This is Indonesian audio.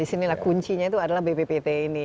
ini lah kuncinya itu adalah bppt ini